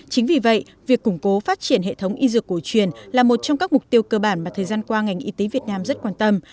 chính vì vậy việc củng cố phát triển hệ thống y dược cổ truyền là một trong các mục tiêu cơ bản mà thời gian qua ngành y tế việt nam rất quan tâm